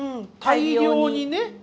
大量にね。